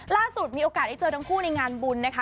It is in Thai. ล่าสุดมีโอกาสได้เจอทั้งคู่ในงานบุญนะคะ